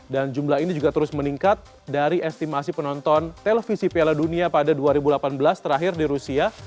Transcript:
dan jumlah ini juga terus meningkat dari estimasi penonton televisi piala dunia pada dua ribu delapan belas terakhir di rusia